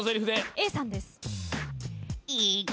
Ａさんです。